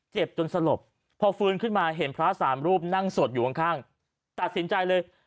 เจ็บจนสลบพอฟื้นขึ้นมาเห็นพระสามรูปนั่งสวดอยู่ข้างตัดสินใจเลย